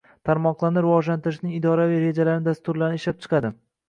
tarmoqlarini rivojlantirishning idoraviy rejalarini dasturlarini ishlab chiqadi;